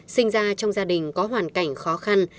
sinh ra trong gia đình có hoàn cảnh khó khăn